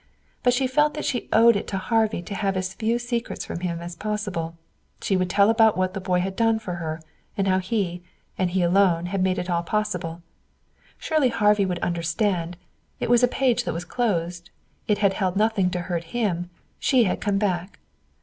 But she felt that she owed it to Harvey to have as few secrets from him as possible. She would tell about what the boy had done for her, and how he, and he alone, had made it all possible. Surely Harvey would understand. It was a page that was closed. It had held nothing to hurt him. She had come back.